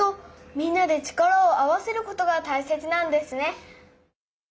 みんなで力を合わせることがたいせつなんですね。